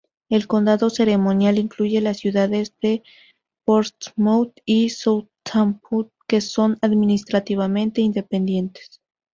El condado ceremonial incluye las ciudades de Portsmouth y Southampton que son, administrativamente, independientes.